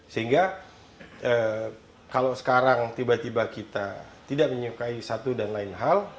sehingga kalau sekarang tiba tiba kita tidak menyukai satu dan lain hal